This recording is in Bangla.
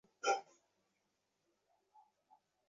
সে সব লক্ষ্য করা আমি একেবারেই ছেড়ে দিয়েছি।